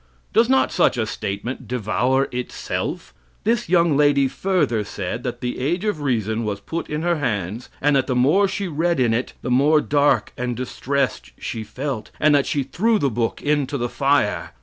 Does not such a statement devour itself? This young lady further said that the "Age of Reason" was put in her hands, and that the more she read in it, the more dark and distressed she felt, and that she threw the book into the fire.